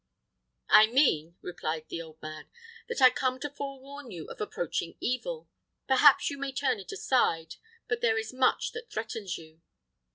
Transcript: "I mean," replied the old man, "that I come to forewarn you of approaching evil. Perhaps you may turn it aside, but there is much that threatens you.